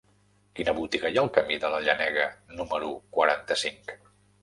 Quina botiga hi ha al camí de la Llenega número quaranta-cinc?